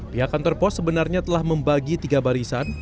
pihak kantor pos sebenarnya telah membagi tiga barisan